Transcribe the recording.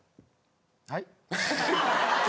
はい。